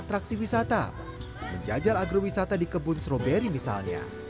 atraksi wisata menjajal agrowisata di kebun stroberi misalnya